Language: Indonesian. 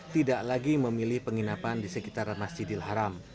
tidak lagi memilih penginapan di sekitar masjidil haram